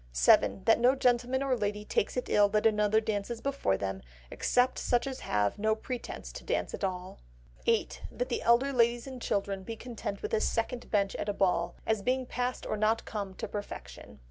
7. That no gentleman or lady takes it ill that another dances before them; except such as have no pretence to dance at all. 8. That the elder ladies and children be content with a second bench at a ball, as being past or not come to perfection.